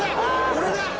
俺だ！